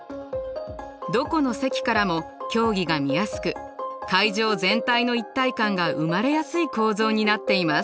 どこの席からも競技が見やすく会場全体の一体感が生まれやすい構造になっています。